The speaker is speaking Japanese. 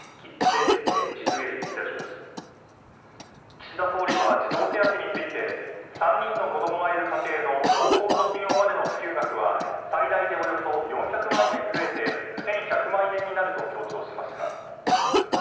岸田総理は、児童手当について３人の子供がいる家庭の高校卒業までの支給額は最大でおよそ４００万円増えて１１００万円になると強調しました。